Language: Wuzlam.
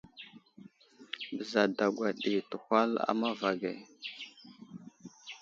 Bəza dagwa ɗi təhwal a mava ge.